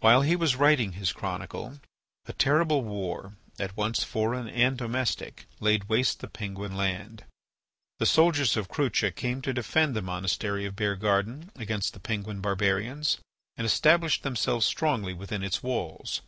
While he was writing his chronicle, a terrible war, at once foreign and domestic, laid waste the Penguin land. The soldiers of Crucha came to defend the monastery of Beargarden against the Penguin barbarians and established themselves strongly within its walls.